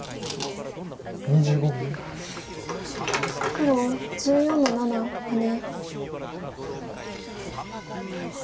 黒１４の七ハネ。